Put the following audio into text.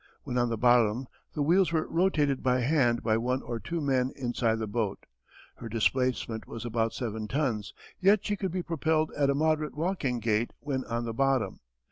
When on the bottom the wheels were rotated by hand by one or two men inside the boat. Her displacement was about seven tons, yet she could be propelled at a moderate walking gait when on the bottom.